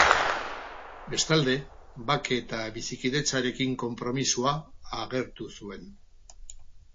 Bestalde, bake eta bizikidetzarekin konpromisoa agertu zuen.